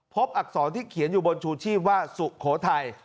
อักษรที่เขียนอยู่บนชูชีพว่าสุโขทัย